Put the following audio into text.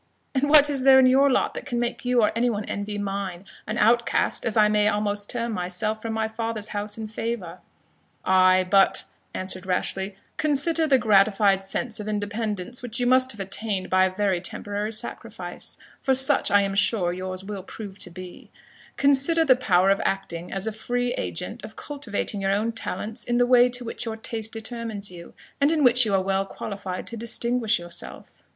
"And what is there in your lot that can make you or any one envy mine, an outcast, as I may almost term myself, from my father's house and favour?" "Ay, but," answered Rashleigh, "consider the gratified sense of independence which you must have attained by a very temporary sacrifice, for such I am sure yours will prove to be; consider the power of acting as a free agent, of cultivating your own talents in the way to which your taste determines you, and in which you are well qualified to distinguish yourself.